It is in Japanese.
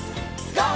ＧＯ！